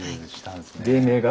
芸名が？